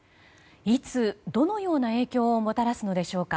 いつ、どのような影響をもたらすのでしょうか。